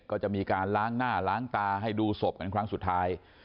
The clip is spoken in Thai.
ก็จะมีการล้างหน้าล้างตาให้ดูศพกันครั้งสุดท้าย